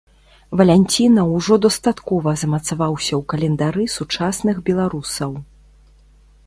Валянціна ўжо дастаткова замацаваўся ў календары сучасных беларусаў.